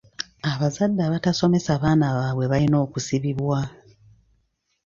Abazadde abatasomesa baana baabwe balina okusibibwa.